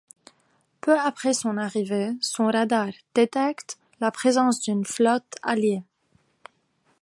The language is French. Peu après son arrivée, son radar détecte la présence d'une flotte alliée.